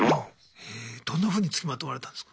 えどんなふうにつきまとわれたんすか？